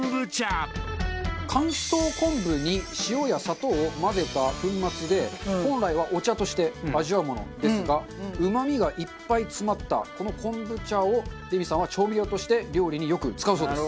乾燥昆布に塩や砂糖を混ぜた粉末で本来はお茶として味わうものですがうまみがいっぱい詰まったこのこんぶ茶をレミさんは調味料として料理によく使うそうです。